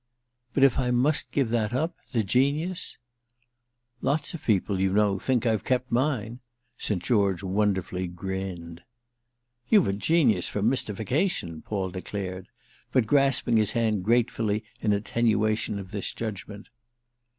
"But if I must give that up—the genius?" "Lots of people, you know, think I've kept mine," St. George wonderfully grinned. "You've a genius for mystification!" Paul declared; but grasping his hand gratefully in attenuation of this judgement.